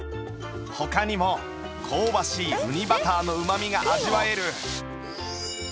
他にも香ばしいうにバターのうまみが味わえるチャーハンや